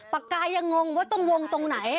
ปากกายังงงว่าต้องวงตรงไหน